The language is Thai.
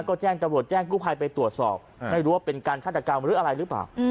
ก็แจ้งตำรวจแจ้งกู้ภัยไปตรวจสอบไม่รู้ว่าเป็นการฆาตกรรมหรืออะไรหรือเปล่า